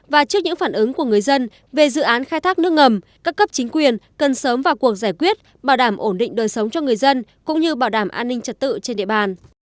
và trước những phản ứng của người dân về dự án khai thác nước ngầm các cấp chính quyền cần sớm vào cuộc giải quyết bảo đảm ổn định đời sống cho người dân cũng như bảo đảm an ninh trật tự trên địa bàn